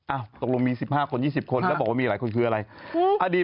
ตกลงมี๑๕คน๒๐คนแล้วบอกว่ามีหลายคนคืออะไร